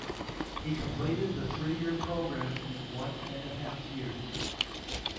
He completed the three-year program in one and a half years.